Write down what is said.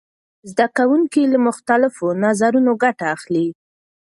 زده کوونکي له مختلفو نظرونو ګټه اخلي.